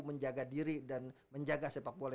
menjaga diri dan menjaga sepak bola